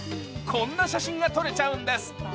こんな写真が撮れちゃうんです。